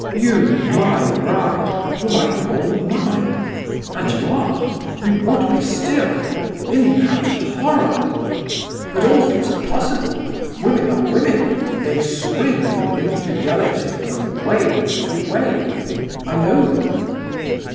You! my bride; whom I call mine; and you are! You would be still in that horror! But all things are possible; women are women; they swim in infidelity, from wave to wave! I know them."